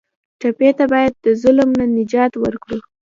ټپي ته باید د ظلم نه نجات ورکړو.